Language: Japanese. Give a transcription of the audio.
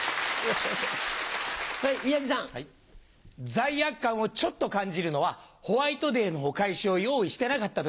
罪悪感をちょっと感じるのはホワイトデーのお返しを用意してなかった時。